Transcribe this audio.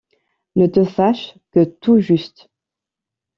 Ne te fâche que tout juste.